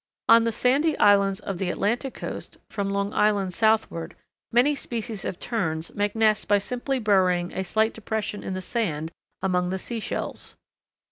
On the sandy islands of the Atlantic Coast, from Long Island southward, many species of Terns make nests by simply burrowing a slight depression in the sand among the sea shells.